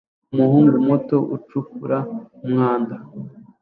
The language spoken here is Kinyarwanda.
Umuhungu muto ucukura umwanda